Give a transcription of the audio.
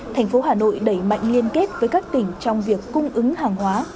thành phố hà nội đẩy mạnh liên kết với các tỉnh trong việc cung ứng hàng hóa